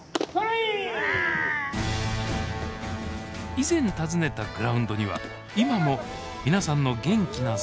以前訪ねたグラウンドには今も皆さんの元気な姿がありました